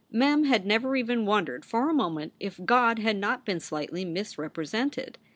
Mem had never even wondered for a moment if God had not been slightly misrepresented.